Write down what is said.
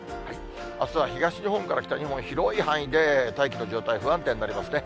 あすは東日本から北日本、広い範囲で大気の状態、不安定になりますね。